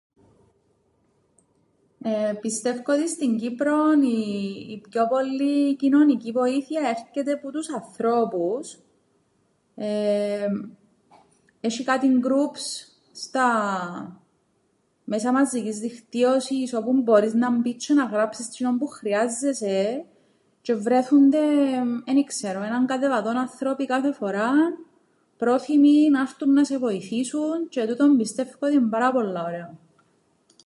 Πιστεύκω ότι στην Κύπρον οι πιο πολλή κοινωνική βοήθεια έρκεται που τους ανθρώπους. Έσ̆ει κάτι γκρουπς στα μέσα μαζικής δικτύωσης όπου μπορείς να μπεις τζ̆αι να γράψεις τζ̆είνον που χρειάζεσαι τζ̆αι βρέθουνται, εν ι-ξέρω, έναν κατεβατόν ανθρώποι κάθε φοράν, πρόθυμοι να 'ρτουν να σε βοηθήσουν, τζ̆αι τούτον πιστεύκω ότι εν' πάρα πολλά ωραίον.